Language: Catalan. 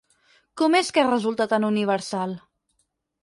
¿Com és que resulta tan universal?